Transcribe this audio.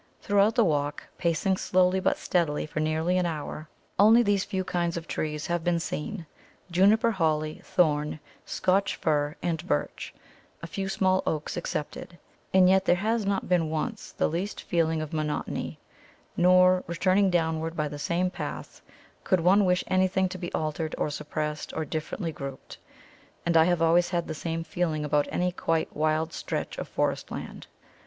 ] Throughout the walk, pacing slowly but steadily for nearly an hour, only these few kinds of trees have been seen, Juniper, Holly, Thorn, Scotch Fir, and Birch (a few small Oaks excepted), and yet there has not been once the least feeling of monotony, nor, returning downward by the same path, could one wish anything to be altered or suppressed or differently grouped. And I have always had the same feeling about any quite wild stretch of forest land.